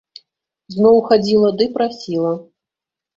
Зноў хадзіла ды прасіла.